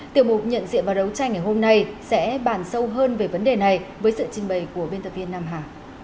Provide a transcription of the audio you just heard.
tiểu mục nhận diện và đấu tranh ngày hôm nay sẽ bàn sâu hơn về vấn đề này với sự trình bày của biên tập viên nam hà